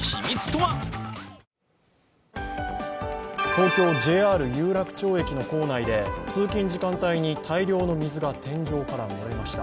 東京・ＪＲ有楽町駅の構内で通勤時間帯に大量の水が天井から漏れました。